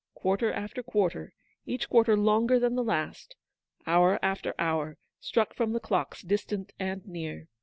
Quarter after quarter, each quarter longer than the last, hour after hour, struck from the clocks distant and near.